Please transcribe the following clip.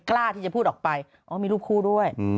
กล้าที่จะพูดออกไปอ๋อมีรูปคู่ด้วย